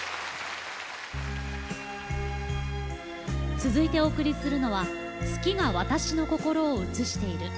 続いてお送りするのは「月が私の心を映している」。